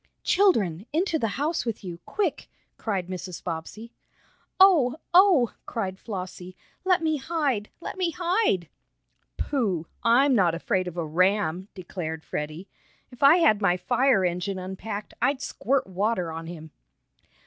"Children! Into the house with you quick!" cried Mrs. Bobbsey. "Oh! Oh!" cried Flossie. "Let me hide! Let me hide!" "Pooh! I'm not afraid of a ram!" declared Freddie. "If I had my fire engine unpacked, I'd squirt water on him!"